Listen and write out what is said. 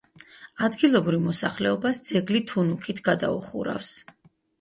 ადგილობრივ მოსახლეობას ძეგლი თუნუქით გადაუხურავს.